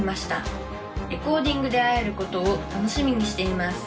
レコーディングで会えることを楽しみにしています」。